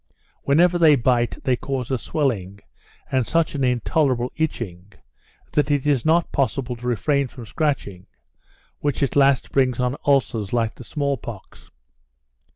Wherever they bite they cause a swelling, and such an intolerable itching, that it is not possible to refrain from scratching, which at last brings on ulcers like the small pox.